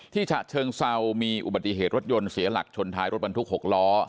ฉะเชิงเซามีอุบัติเหตุรถยนต์เสียหลักชนท้ายรถบรรทุก๖ล้อ